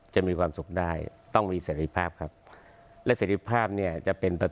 จะมีความสุขด้ายต้องมีแสรีภาพครับและแสรีภาพเนี้ยจะเป็นประตู